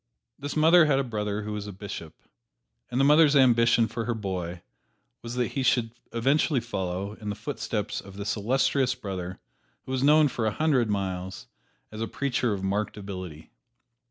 This mother had a brother who was a bishop, and the mother's ambition for her boy was that he should eventually follow in the footsteps of this illustrious brother who was known for a hundred miles as a preacher of marked ability.